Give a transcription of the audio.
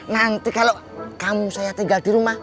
nanti kalau kamu saya tinggal di rumah